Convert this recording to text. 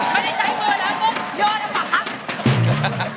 ก็ได้ใช้มันแล้วก็มุกโยยก็ปั๊บ